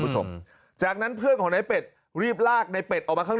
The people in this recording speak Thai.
ผู้ผู้ผู้ชมจากนั้นเพื่อนของในเป็ดรีบลากในเป็ดออกมาข้าง